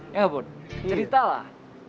iya gak bud cerita lah